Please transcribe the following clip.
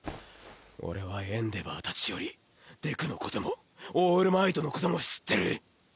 俺はエンデヴァー達よりデクの事もオールマイトの事も知ってる。